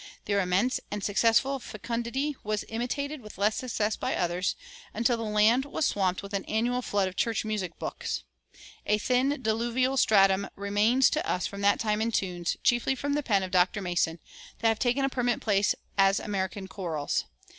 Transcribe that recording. Their immense and successful fecundity was imitated with less success by others, until the land was swamped with an annual flood of church music books. A thin diluvial stratum remains to us from that time in tunes, chiefly from the pen of Dr. Mason, that have taken permanent place as American chorals.